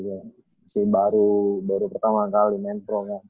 musim baru pertama kali main pro